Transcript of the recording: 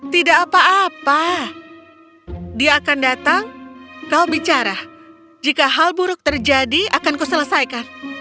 tidak apa apa dia akan datang kau bicara jika hal buruk terjadi akan ku selesaikan